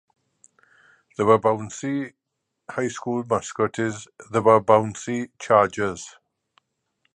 The Wabaunsee High School mascot is Wabaunsee Chargers.